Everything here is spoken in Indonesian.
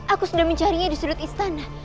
aku sudah mencarinya di sudut istana